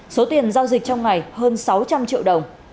số tiền giao dịch trong ngày hơn sáu trăm linh triệu đồng